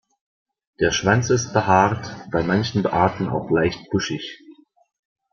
Der Schwanz ist behaart, bei manchen Arten auch leicht buschig.